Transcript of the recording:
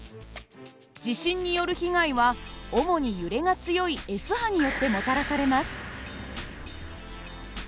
地震による被害は主に揺れが強いＳ波によってもたらされます。